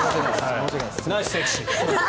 ナイスセクシー。